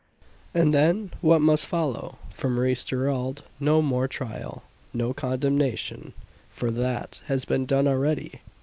And then what must follow? For Maurice Gerald no more trial; no condemnation: for that has been done already.